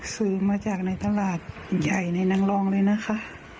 ซื้อมาจากในตลาดใหญ่ในนางรองเลยนะคะ